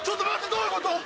どういうこと？